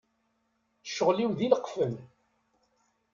Ccɣel-iw d ileqfen.